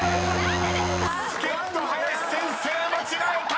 ［助っ人林先生間違えた！］